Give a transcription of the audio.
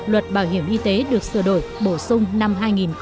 luật bảo hiểm y tế được sửa đổi bổ sung năm hai nghìn một mươi bốn